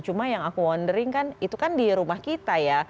cuma yang aku wondering kan itu kan di rumah kita ya